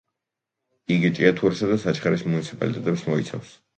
იგი ჭიათურისა და საჩხერის მუნიციპალიტეტებს მოიცავს.